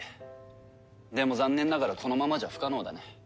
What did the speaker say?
でも残念ながらこのままじゃ不可能だね。